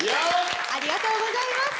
ありがとうございます。